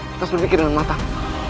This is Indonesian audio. kita harus berpikir dengan matang